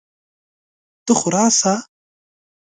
ته خو راسه!